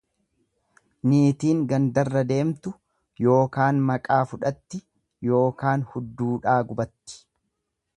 Niitiin gandarra deemtu, yookaan maqaa fudhatti yookaan hudduudhaa gubatti.